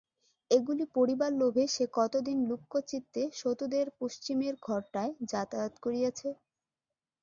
এগুলি পড়িবার লোভে সে কতদিন লুক্কচিত্তে সতুদের পশ্চিমের ঘরটায় যাতায়াত করিয়াছে।